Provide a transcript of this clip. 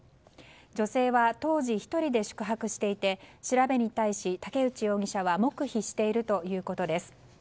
女性は当時１人で宿泊していて調べに対し、武内容疑者は黙秘しているということです。